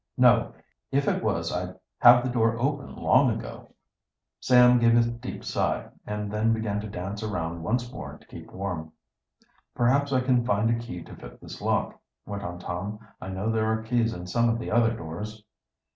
"No. If it was I'd have the door open long ago." Sam gave a deep sigh, and then began to dance around once more to keep warm. "Perhaps I can find a key to fit this lock," went on Tom. "I know there are keys in some of the other doors."